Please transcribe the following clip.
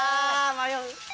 迷う。